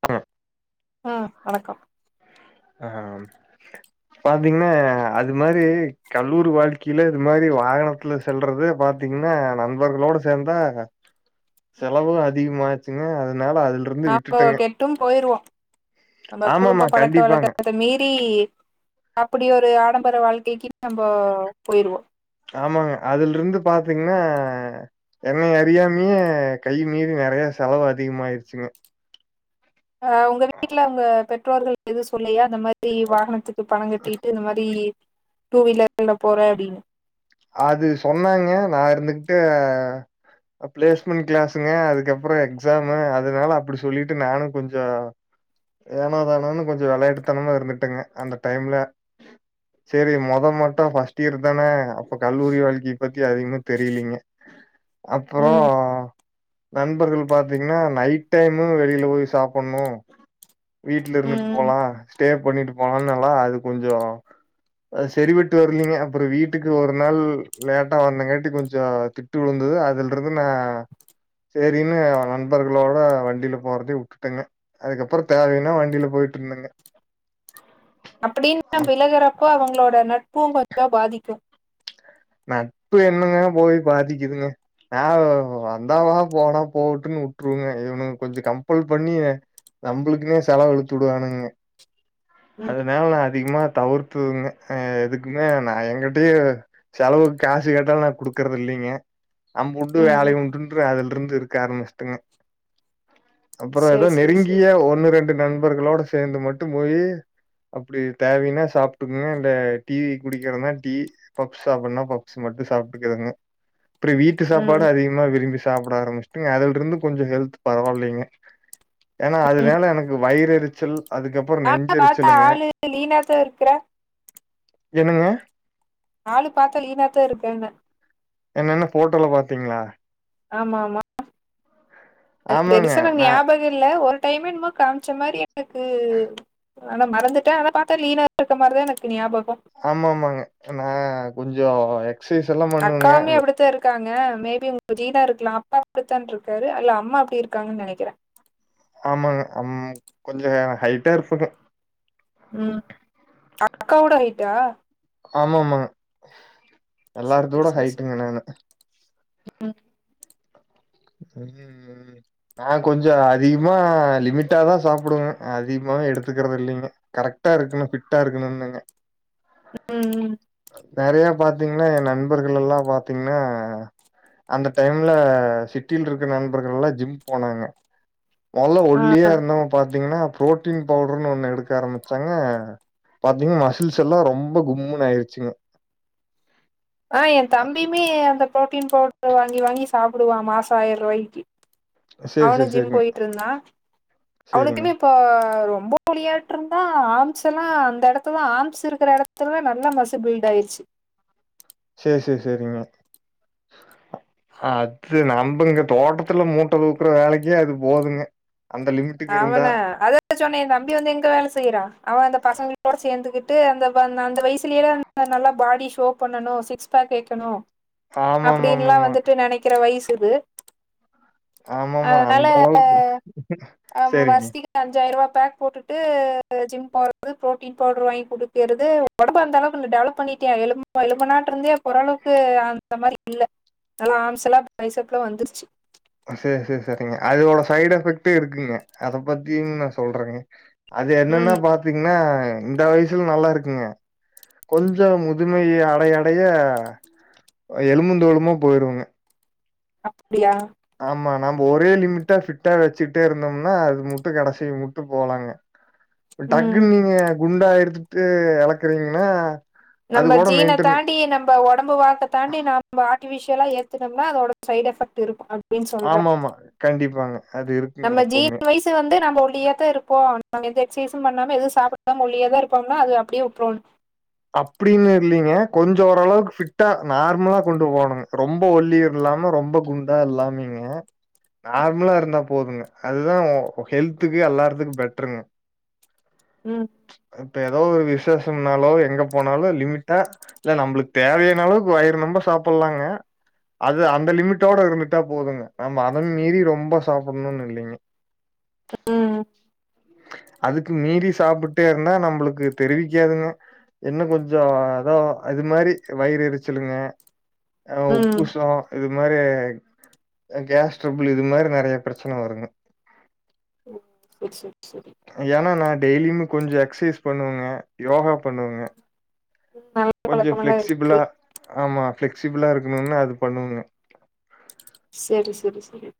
ச [unintelligible] ஹ்ம் வணக்கம் ஆ பாத்தீங்கன்னா அது மாரி கல்லூரி வாழ்க்கையில இது மாரி வாகனத்துல செல்றது பாத்தீங்கன்னா நண்பர்களோட சேந்தா செலவும் அதிகமாச்சுங்க அது நாப்ப கெட்டும் போயிருவோம் நம்ம ஆமாமா குடும்ப பழக்க கண்டிப்பாங்க வழழக்கத்தை மீர் எப்டி அப்படி ஒரு ஆடம்பர வாழ்க்கைக்கு நம்ம போயிருவோம் ஆமாங்க அதுல இருந்து பாத்தீங்கன்னா எண்ணறியாமையே கை மீறி நிறைய செலவு அதிகமாயிருச்சுங்க ஹ உங்க வீட்டுல உங்க பெற்றோர்கள் எது சொல்லையா அந்த மாதிரி வண்டி வாகனத்துக்கு பணம் கட்டிட்டு இந்த மாரி டூ வீலர்ல போறேன் அப்டின்னு அது சொன்னாங்க நான இருந்துகிட்டு பிளேஸ்மெண்ட் கிளாஸுங்க அதுக்கப்பறம் எக்ஸாமு அதுனால அப்டி சொல்லிட்டு நானும் கொஞ்சம் ஏனோ தானோன்னு கொஞ்சம் விளையாட்டு தனமா இருந்துட்டேங்க அந்த டைம்ல செரி மொத மட்டும் பஃர்ஸ்ட் இயர் தானே இப்ப கல்லூரி வாழ்க்கி பத்தி அதிகமா தெரியலீங்க அப்புறம் ம் நண்பர்கள் பாத்தீங்கன்னா நைட் டைமு வெளியில போய் சாப்படணும் வீட்டுல ம் இருந்துட்டு ம் போலாம் ஸ்டே பண்ணிட்டு போனாம்லா அது கொஞ்சம் செரிபட்டு வரலீங்க அப்புறம் வீட்டுக்கு வ ஒரு நாள் லேட்டா வந்தங்காட்டி கொஞ்சம் திட்டு விழுந்தது அதுல இருந்து நான் சரின்னு நண்பர்களோட வண்டியில போறத வுட்டுட்டேங்க அதுக்கப்புறம் தேவைையன்னா வண்டியில போயிட்டு இருந்தேங்க அப்படின்னு விலகறப்போ அவங்களோட நட்பும் கொஞ்சம் பாதிக்கும் நட்பு என்னங்க போய் பாதிக்குதுங்க நான் வந்தா வா போனா போகட்டுன்னு வுட்டுருவங்க இவனுங்க கொஞ்சம் கம்பல் பண்ணி நம்மளுக்குனே செலவு இலுத்துடுவானுங்க ம் அது மேல அதிகமா தவிர்த்துதுங்க எதுக்குமே நான் எகிட்டயே செலவுக்கு காசு கேட்டாலும் நான் குடுக்குறது இல்லைங்க நம்புண்டு ம் வேலை ம் உண்டுறுன்று அதுல் இந்து இருக்க ஆரம்பிச்சட்டுங்க அப்பறம் ஏதோ சேரி சேரி சேரி நெருங்கிய ஒன்னு ரெண்டு நண்பர்களோட சேர்ந்து மட்டும் போய் அப்டி தேவைனா சாப்பிட்டுக்குங்க இல்ல டீவி குடிக்கிற தான் டீ சாப்பிடனா பப்சு மட்டும் சாப்பிட்டுக்குதுங்க அப்ப வீட்டு ம் சாப்பாடு அதிகமா விரும்பிச்சு சாப்பிட ஆரம்பிச்சுட்டுங்க அதுல இருந்து கொஞ்சம் ஹெல்த் பரவாயில்லைங்க ஏன்னா அதுனால எனக்கு வயிறு எருச்சல் நானான் ப்த்தா ஆளு லீனா தான் இருக்கிறேன் என்னங்க ஆளு பார்த்த லீனாத்தான் இருக்கேன்ன என்னென்ன போட்டோல பாத்தீங்களா ஆமா ஆமா அது ஆமாங்க பெருசா நா நங்கயாவக இல்ல ஒ டைமன் காமிச்ச மாதிரி எனக்கு ஆனா மறந்துட்டன் அதன ப பாத்தா லீனா இருக்க மாரிதான் எனக்குஞாபம் ஆமா ஆமாங்க நான் கொஞ்சம [inaudible] அக்காமிய அப்படித்த இருக்காங்க மேபி உங்க ஜீனா இருக்கலாம் அப்பா அப்டித்தான் இருக்காரு அல்ல அம்மா அப்டி இருக்காங்கன்னு நினைக்கிறேன் ஆமாங்க அம் கொஞ்சம் ஹைட்டா இருப்ப ம் அக்க கூட ஆயிட்டா ஆமா ஆமா எல்லாரத்தோட ஹைட்டுங்க நானு உஹம் உம் நான் கொஞ்சம் அதிகமா லிமிட்டாாதான் சாப்பிடுவேங்க அதிகமா எடுத்துக்கறிறது இல்லைங்க கரெக்டா இருக்கணும் ஃபிட்டா இருக்கணும்னுங்க ம் ம் வேறையா பாத்தீங்கன்னா என் நண்பர்கள் எல்லாம் பாத்தீங்கன்னா அந்த டைம்ல வட்டில் இருக்க நண்பர்கள் எல்லாம் ஜிம் போனாங்க மல்லா ஒல்லியா இருந்த பா பாீங்கன்னா புரோட்டீன் பவுடர்ன்னு ஒண்ணு எடுக்க ஆரம்பிச்சாங்க பாத்தீங்கன்னா மசில்ஸ் எல்லாம் ரொம்ப கும்முன்னு ஆயிடுச்சுங்க ஆ என் தம்பியுமே அந்த பின் பவுடர் வாங்கி வாங்கி சாப்பிடுவான் மாசம் ஆயிரம் ரூபாய்க்கு சரி, சரி, அவனும் ஜிம் சரிங்க. போயிட்டு இருந்தான் சரிங்க. அவனுக்குமே இப்ப ரொம்ப விளையாட்டு இருந்தா ஆம்ஸ் எல்லாம் அந்த இடத்துதான் ஆம்ஸ் இருக்கிற இடத்துல நல்ல மசு பில்ட் ஆயிடுச்சு சரி சரி சரிங்க அது நம்பங்க தோட்டத்துல மூட்டை தூக்குற வேலைக்கி அது போதுங்க அந்த லிமிட்டுக்கு இருந்தா அவன அத சொன்னே என் தம்பி வந்து எங்க வேலை செய்யறான் அவன் அந்த பசங்களோட சேர்ந்துகிட்டு சுத்தரா அந்த அந்த வயசுலய நல்லா பாடி ஷோ பண்ணும் சிக்ஸ் பேக் கேக்கனும் அப்டின்னுல்லாம் ஆமாமாமாமா. வந்துட்டு நினைக்கிற வயசு இது ஆமாமா அந்தாவது ஆமா வஸ்திக்குஅஞ்ச ஆயிரம் ரூபா பேக் போட்டுட்டு ஜிம் போறது ப்ரோட்டீன் பவுடர் வாங்கி குடுக்கது உடம்பு அந்த அளவுக்கு டெவலப் பண்ணிட்டே எ எலும்ப நாட்ட இருந்தே போர அளவுக்கு அந்த மாதிரி இல்ல நல்லா ஆம்சல்லா பைசப்ல வந்துருச்சு சரி சரி சரிங்க அதோட சைடு் எஃபெக்ட்டே இருக்குங்க அத பத்திய நான் சொல்றேங்க அது என்னன்னா ம் பாத்தீங்கன்னா இந்த வயசுல நல்லா இருக்குங்க கொஞ்சம் முதுமைைய அடையடைய எலுபுந்தோலுமா போயிருங்க அ ஆமா நம் ஒரே லிமிட்டா ஃபிட்டா வச்சுிட்டே இருந்தோம்னா அது முட்டும் கடைசிய முட்டு போலாங்க ம் டக்கு நீ குண்டா ஆயிடுது ட்டு இலக்குறீங்கன்னா நம்ம ஜீனை தாண்டி நம்ம உடம்பு வாழ்க தாண்டி நம்ம ஆர்ட்டிபிஷியல் எல்லாம் ஏத்தனும்னா அதோட சைட் எஃபக்ட் இருக்கும் அடி அப்படின்னு சொல்றேன் ஆமாமா. கண்டிப்பாங்க. அது இருக்குங்க நம்ம ஜீ எப்பவுமே. வயசு வந்து நம்ம ஒல்லியத்தான் இருப்போம் நாங்க எஃசிஸ் பண்ணாம எது சாப்பிடாம ஒல்லியதான் இருப்ப ப்போம்னா அது அப்படியே விப்புறனு அப்படின்னு இல்லீங்க கொஞ்சம் ஓரளவுக்கு ஃபிட்டா நார்மலா கொண்டு போணுங்க ரொம்ப ஒல்லிர் இல்லாம ரொம்ப குண்டா இல்லாமீங்க நார்மலா இருந்தா போது போதுங்க அதுதான் ஹெல்த்துக்கு எல்லாதுக்கு பெட்டருங்க உம் இப்ப ஏதோ ஒரு விசேஷம்னாலோ எங்க போனாலும் லிமிட்டா இல்ல நம்மளுக்கு தேவையான அளவுக்கு ஆயிரம் ரொம்ப சாப்பிடலாங்க அது அந்த லிமிட்டோட இருந்துட்டா போதுங்க நம்ம அதை மீறி ரொம்ப சாப்பிடணும்னு இல்லைங்க உஹம் அதுக்கு மீறி சாப்பிட்டே இருந்தா நம்மளுக்கு தெரிவிக்காதுங்க என்னனும் கொஞ்சம் அதோ அது மாதிரி வயிறு எரிச்சலுங்க ம் உப்பு சுவம் இது இ மாதிரி கேஸ் டிரபிள் இது மாதிரி நிறைய பிரச்சனை வருங்க ஓ சரி சரி சரி டெய்லியு கொஞம் எஸ்சைஸ் பண்ணுவாங்க யோகா பண்ணுவோங்க நல்ல கொஞ்சம் பழக்கமெல்லா ஃசிப்சிபிளா இருக்கு ஆமா ஃசிக்சிபிளா இருக்கணும்னா அது பண்ணனும் சரி சரி சரி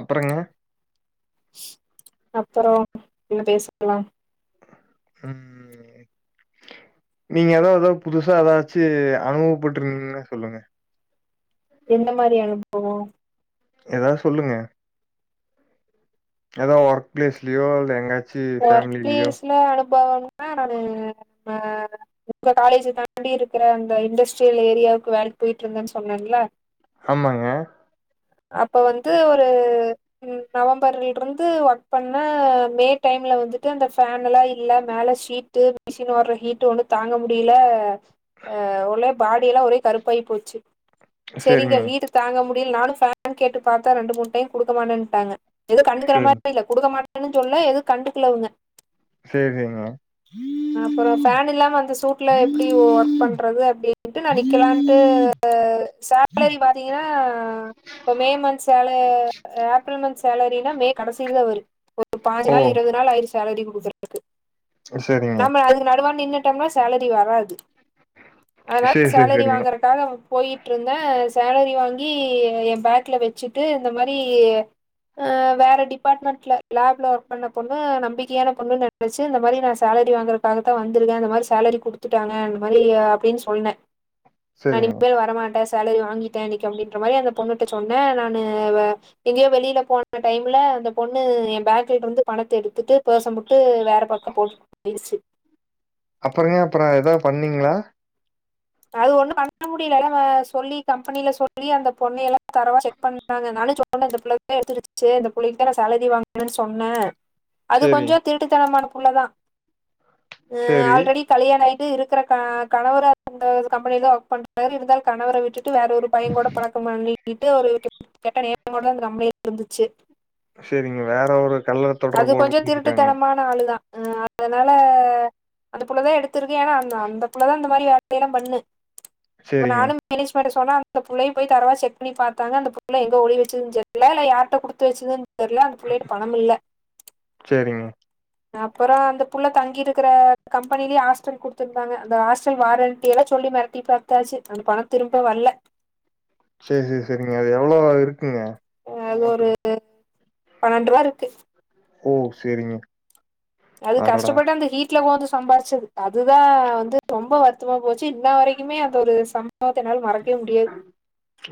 அப்புறங்க அப்புறம் என்ன பேசிக்கலாம் உம் நீங்க ஏதாவ ஏதாவது புதுசா ஏதாச்சு அனுபவப்பட்டுருந்தீங்கன்னா சொல்லுங்க எந்த மாதிரி அனுபவம் ஏதாவது சொல்லுங்க ஏதாவது ஒர்க் பிளேஸ்யோ இல்ல எங்கா ஒர்க பிளேஸ்ல னா நான் ஆ உங்க காலேஜ் தாண்டி இருக்கிற அந்த இண்டஸ்ட்ரியல் ஏரியாவுக்கு வேலைக்கு போயிட்டு இருந்தேன்னு சொன்னேங்களா ஆமாங்க அப்ப வந்து ஒரு நவம்பர்ல இருந்து ஒர்க் பண்ண மே டைமில வந்துட்டு அந்த ஃபேல்லாம் இல்ல மேலே ஷீட்டு மிஷின் வர்ற ஹீட்டு ஒன்ம் தாங்க முடியல அஹ் ஒலப் பாடியெல்லாம் ஒரே கருப்பாயி போச்சு சரிங்க ஹீட் தாங்க முடிய நானும்ஃபேன் கேட்டு பாத்தா ரெண்டு மூணு டைம் கொடுக்க மாட்டேட்டாங்க எது கண்டுக்கிற சரி மாரி இல்ல கொடுக்க மாட்டேன்னு சொல்ல எது கண்டுக்கள்ள அவுங்க சரி சரிங்க அப்புறம் பேன் இல்லாம அந்த சூட்ல எப்படி ஒர்க் பண்றது அப்படின்ட்டு நான் நிக்கலாம்ட்டு சேலரி பாத்தீங்கன்னா மே மந்த் ஏப்ரல் மந்த் சேலரினா மே கடைசியிலதான் வரும் ஒரு பாசு ஓ நாள் சேலரி கொடுக்கக்கு சரிங்க நம அதுக்கு நடடுவான நின்டைம்னா சேலரி வராது அதனால சரி சரி சேலரி சரிங்க வாங்கறக்காக போயிட்டுருந்தேன் சேலரி வாங்கி என் பேக்கில் வச்சுட்டு இந்த மாரி வேறு டிபார்ட்மெண்ட்டில் லேப்ல பண்ண பொண்ணு நம்பிக்கையான பொண்ணு நினைச்சு இந்த மாரி நான் சேலரி வாங்குறதுக்காகத்தான் வந்துருக்கேன் இந்த மாரி சேலரி கொடுத்துட்டாங்க அந்த மாரி அப்டின்னு சொன்னேன் நன சரிங்க இனிமேல் வரமாட்டேன் சேலரி வாங்கிட்டேன் இன்னைக்கு அப்படின்ற அந்த பொண்ணுடா சொன்னேன் ந எங்கேயோ வெளியில போன டைம் அந்த பொண்ணு என் பாக் இருந்து பணத்த எடுத்துட்டு பார்ஸ் மட்டு வேற பக்கம் போட்டு போயடுச்சு அப்பறங்க அப்பறம் ஏதாவது பண்ணீங்களா அது ஒண்ணும் பண்ண முடியல ந சொல்லி கம்பெனில சொல்லி அந்த பொண்ணைய எல்லாம் தரவா செக் பண்ணாங்கனாலும் சொன்னேன் இந்த பிள்ளைதான் எடுத்துடுச்சு இந்த பிள்ளைக்குானான் சேலரி வாங்கணன்னு சொன்னேன் அது சரி கொஞ்சம் திருட்டுத்தனமான அவ்ளோ தான் அஹ சரி ஆல்ரடி கல்யாண ஆயி இருக்கிற கணவர அந்த கம்பெனில ஒர்க் பண்றாரு இருந்தால் கணவரை வீட்டு வேற ஒரு பையன் கூட பழக்க மாகி ட்டு ஒரு கெட்ட நேரம்ட நம்பளே இருந்துச்சு சரிங்க வேற ஒரு கல்ல அது தொடர்போடு கொஞ்சோ இருக்காங்க திருட்டுத்தனமான ஆளுதா அதனால அந்த புள்ள தான் எடுத்து ஆனா அந்த புள்ளதான் இந்த மாதிரி இடம் பன்னு இப்ப சரிங்க நானும் மேனேஜ்ன் சொன்னா அந்த புள்ளைய போய் தெறவா செக் பண்ணி பாத்தாங்க அந்த புள்ள எங்க ஒளிய வச்சிதுனு தெரியல இல்ல யாருக்கிட்ட கொடுத்து வச்சிதுனு தெரியல அந்த பிள்ளைட்ட பணம் இல்ல சரிங்க அப்புறம் அந்த புள்ள தங்கிருக்கிற கம்பெனிலேயே ஹாஸ்டல் கொடுத்துருந்தாங்க அந்த ஹாஸ்டல் வாரண்ட் இப்படி எல்லாம் சொல்லி மிரட்டி பாத்தாச்சு அந்த பணம் திரும்ப வல்ல செரி செரி செரிங்க அது எவ்வளோவா இருக்கு ங்க அது அமோண்டு ஒரு பன்னெண்டு ரூபா இருக்கு ஓ செரிங்க அது கஷ்டப்பட்டு அந்த ஹீ்ட்ல போ வந்துச்சி சம்பாதிச்சது அதுதான் வந்து ரொம்ப வருத்தமா போச்சு இன்ன வரைக்கும் இனியுமே அந்த ஒரு சமவத்த மறக்க முடியாது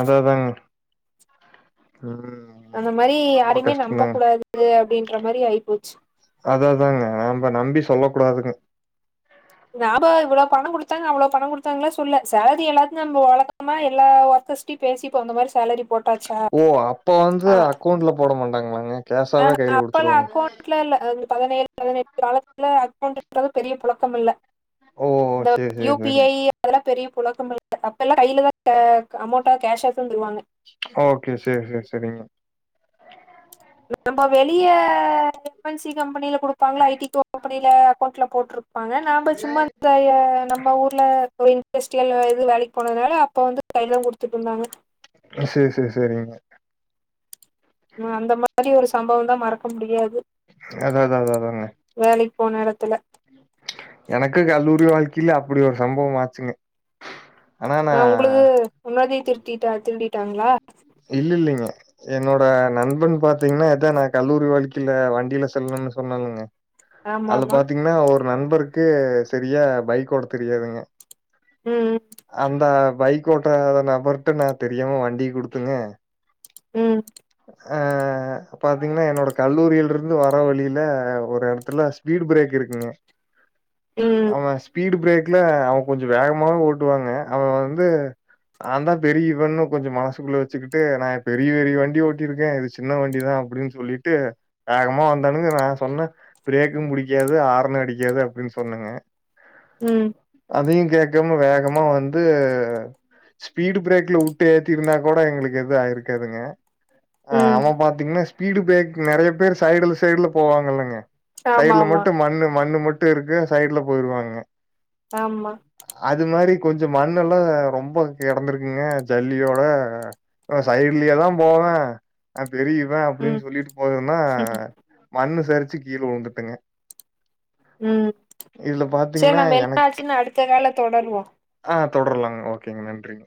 அதா அதாங்க ம் அந்த மாதிரி ரொம்ப யாருமே நம்ப கஷ்டந்தாங்க கூடாது அப்படின் அன்ற மாதிரி ஆயி போச்சு அதாதாங்க நம்ம நம்பி சொல்ல கூடாதுங்க நாம இவ்வளோ பணம் கொடுத்தாங்க அவ்வளோ பணம் கொடுத்தாங்களா சொல்ல சலரி எல்லா நம்ம வழக்கமா எல்லா ஒர்க்கர்ஸ்ம் பேசிப்ப அந்த மாதிரி சேலரி போட்டாச்சா ஓ அப்ப வந்து அக்கௌண்ட்ல போட மாட்ட வாங்க வாங்க ஆஹ அப்பள அக்கௌண்டலல்லாம் பதினேழு பதினெட்டு காலத்துல அக்கவுண்ட்ன்றது பெரிய புழக்கம் இல்ல ஓ இந்த சேரி சேரி யூபிஐ சேரிங்க அதெல்லாம் பெரிய குழக்கமல்ல அப்ப எல கையில தான் அமௌண்டா கேஸ்ஷ தருவாங்க ஓகே சரி சரி சரிங்க நம்ம வெளிய எம்என்சி கம்பெனில கொடுப்பாங்க ஐடி த நீ அக்கௌண்ட்ல போட்டிரு இருப்பாங்க நாம சும்மா இந்த நம்ம ஊர்ல போய் பைஸ்ட்டு வேலைக்கு போனதுனால அப்ப வந்து பையம் கொடுத்து செரி செரி செரிங்க அந்த மாதிரி ஒரு சம்பவம் தான் மறக்க முடியாது அத அத அத அதாங்க போனேடத்துல எனக்கு கல்லூரி வாழ்க்கையில அப்டி ஒரு சம்பவம் ஆச்சுங்க ஆனா நா ஆ உங்களுக்கு முன்னாடி திருட்டிட்டா திருடிட்டாங்களா இல்லலைங்க என்னோட நண்பன் பார்த்தீங்கன்னா ஏதான் நான் கல்லூரி வாழ்க்கையில வண்டியில செல்லணும்னு சொன்னெலங்க ஆமா அது ஆமா பாத்தீங்கன்னா ஒரு நண்பன் நண்பருக்கு சரியா பைக் ஓட்ட தெரியாதுங்க ம் அந்த பைக் ஓட்றாத நபர்ட்ட நான் தெரியாம வண்டி கொடுத்து ங்க உம் அஹ பாத்தீங்கன்னா என்னோட கல்லூரியில இருந்து வர வழியில ஒரு இடத்துல ஸ்பீடு பிரேக் இருக்குங்க ம் ஆமா ஸ்பீடு பிரேக் பிரேக்ல அவன் கொஞ்சம் வேகமாக ஓட்டுவாங்க அவன் வந்து நான்தான் பெரிய இவன்னும் கொஞ்சம் மனசுக்குள்ள வச்சுக்கிட்டு நான் பெரிய பெரிய வண்டி ஓட் ஓட்டி இருக்கேன் இது சின்ன வண்டிதான் அப்டின்னு சொல்லிட்டு வேகமா வந்தானுங்க நான் சொன்னேன் பிரேக்கும் புடிக்காது ஆறுன்னு அடிக்காது அப்டின்னு சொன்னேங்க உம் கேக்காம வேகமா வந்து ஸ்பீடு பிரேக்ல உட்டு ஏத்திருந்தா கூட எங்களுக்கு எது ஆயிருக்காதுங்க ம் ஆமா பாத்தீங்கன்னா ஸ்பீடு பிரேக் நிறைய பேர் சைடுல சைடுல போவாங்கெல்லங்க ஆமா சைடுல ஆமா மட்டும் மண்ணு மண்ணு மட் மட்டு இருக்கு சைடுல போயிருவாங்க ஆமா அது மாரி கொஞ்சம் மண்ணெல்லாம் ரொம்ப கிடந்திருக்குங்க ஜல்லியோட சைடுலயே தான் போவேன் அப் பெரிய இவன் ம் அப்டின்னு சொல்லிட்டு போனன்னா மண்ணு சரிச்சு கீழே விழுந்துட்டங்க உம் சரி நம்ம என்ன எனக்கு ஆச்சு அடுத்த கால தொடருவோம் ஆ தொடரலாங்க ஓகேங்க நன்றி